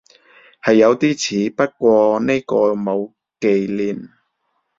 係有啲似，不過呢個冇忌廉